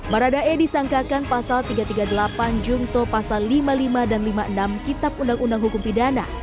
baradae disangkakan pasal tiga ratus tiga puluh delapan jungto pasal lima puluh lima dan lima puluh enam kitab undang undang hukum pidana